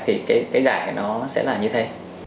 thì cái giải nó sẽ là như thế